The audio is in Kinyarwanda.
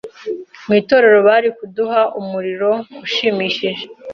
mwitorero bari kuduha umuriro ushimishije